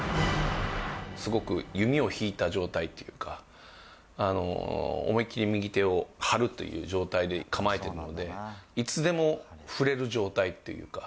すごく弓を引いた状態っていうか、思い切り右手を張るという状態で構えているので、いつでも振れる状態っていうか。